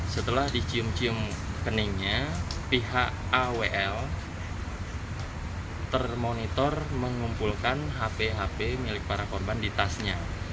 setelah dicium cium keningnya pihak awl termonitor mengumpulkan hp hp milik para korban di tasnya